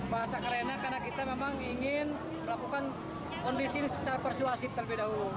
masa kerennya karena kita memang ingin melakukan kondisi persuasi terlebih dahulu